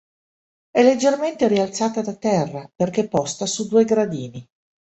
È leggermente rialzata da terra perché posta su due gradini.